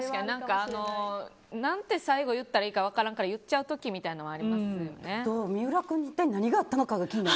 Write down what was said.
何て最後言ったらいいか分からんから言っちゃう時みたいなのはありますね。